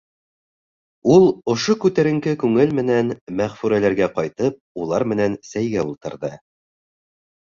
Ул, ошо күтәренке күңел менән Мәғфүрәләргә ҡайтып, улар менән сәйгә ултырҙы.